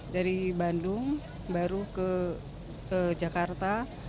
dari bandung baru ke jakarta